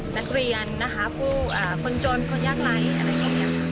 นักเรียนนะคะคนจนคนยากไรอะไรแบบนี้